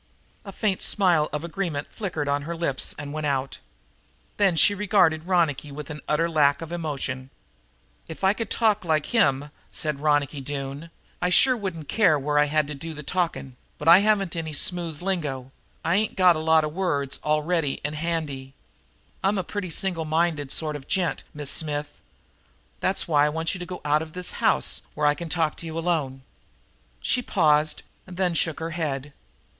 A faint smile of agreement flickered on her lips and went out. Then she regarded Ronicky, with an utter lack of emotion. "If I could talk like him," said Ronicky Doone gravely, "I sure wouldn't care where I had to do the talking; but I haven't any smooth lingo I ain't got a lot of words all ready and handy. I'm a pretty simple minded sort of a gent, Miss Smith. That's why I want to get you out of this house, where I can talk to you alone." She paused, then shook her head.